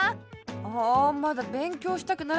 あまだべんきょうしたくならない。